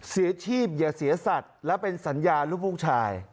เสียชีพอย่าเสียสัตว์และเป็นสัญญาลูกลูกชาย